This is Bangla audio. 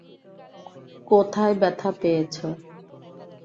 কোথায় ব্যথা পেয়েছো?